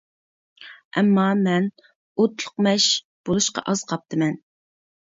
ئەمما، مەن «ئوتلۇق مەش» بولۇشقا ئاز قاپتىمەن.